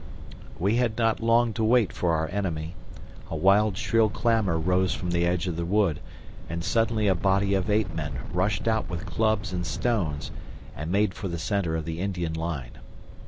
We had not long to wait for our enemy. A wild shrill clamor rose from the edge of the wood and suddenly a body of ape men rushed out with clubs and stones, and made for the center of the Indian line.